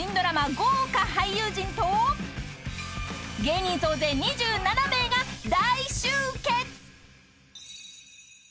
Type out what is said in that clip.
豪華俳優陣と芸人総勢２７名が大集結］